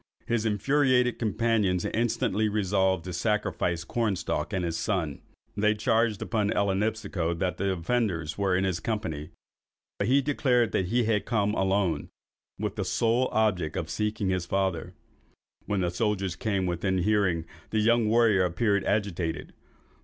His infuriated companions instantly resolved to sacrifice Cornstalk and his son. They charged upon Ellinipsico that the offenders were in his company, but he declared that he had come alone, and with the sole object of seeking his father. When the soldiers came within hearing, the young warrior appeared agitated.